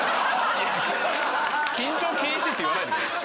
緊張禁止って言わないでください。